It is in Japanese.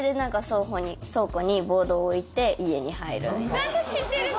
・何で知ってるの？